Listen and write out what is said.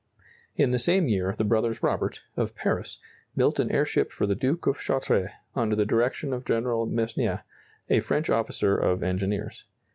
In the same year the brothers Robert, of Paris, built an airship for the Duke of Chartres, under the direction of General Meusnier, a French officer of engineers.